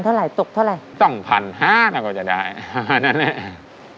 ๒๕๐๐ถ้าก็จะได้ตั้งไหนนะ